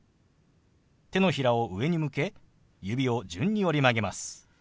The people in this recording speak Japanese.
手のひらを上に向け指を順に折り曲げます。